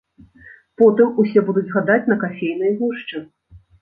Потым усе будуць гадаць на кафейнай гушчы.